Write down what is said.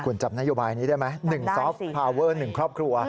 คุณจำนโยบายนี้ได้ไหม๑ซอฟต์พาเวอร์๑ครอบครัว